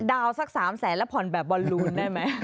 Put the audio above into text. ดาวสัก๓๐๐๐๐๐บาทแล้วผ่อนแบบบอลลูนได้ไหม